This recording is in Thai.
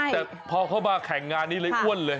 แต่พอเขามาแข่งงานนี้เลยอ้วนเลย